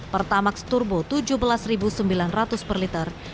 pertamax turbo rp tujuh belas sembilan ratus per liter